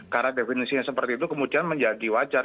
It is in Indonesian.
karena definisinya seperti itu kemudian menjadi wajar